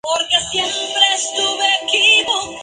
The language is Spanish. Su nombre honra al zoólogo George Henry Hamilton Tate.